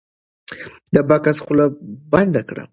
د بکس خوله بنده کړه.